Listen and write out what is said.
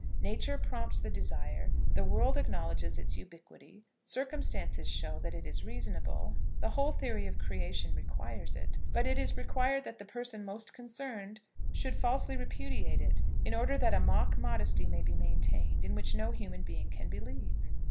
Nature prompts the desire, the world acknowledges its ubiquity, circumstances show that it is reasonable, the whole theory of creation requires it; but it is required that the person most concerned should falsely repudiate it, in order that a mock modesty may be maintained, in which no human being can believe!